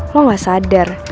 lo gak sadar